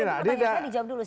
tanya saya dijawab dulu